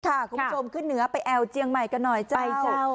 คุณผู้ชมขึ้นเหนือไปแอวเจียงใหม่กันหน่อยใจแจ่ว